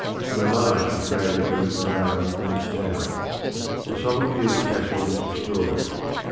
An alliance was made between Crown and Town. The sovereignty of the castle was destroyed.